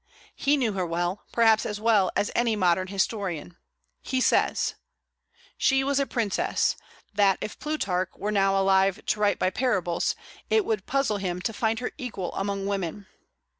He knew her well, perhaps as well as any modern historian. He says: "She was a princess, that, if Plutarch were now alive to write by parables, it would puzzle him to find her equal among women.